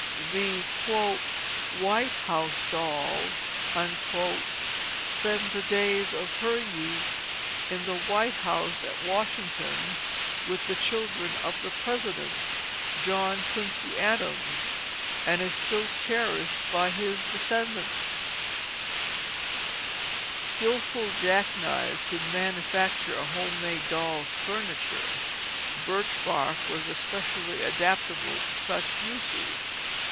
The "White House Doll" spent the days of her youth in the White House at Washington, with the children of the President, John Quincy Adams, and is still cherished by his descendants. [Illustration: French Doll] Skilful jackknives could manufacture home made dolls' furniture. Birch bark was especially adaptable to such uses.